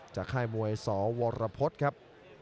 จากค่ายมวยสวรพศครับ